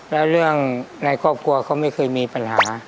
แล้วเรื่องในครอบครัวเขาไม่เคยมีปัญหา